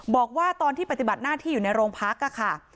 บอกว่าตอนที่ปฏิบัติหน้าที่อยู่ในโรงพักค่ะ